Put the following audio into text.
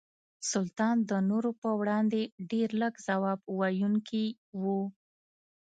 سلطان د نورو په وړاندې ډېر لږ ځواب ویونکي وو.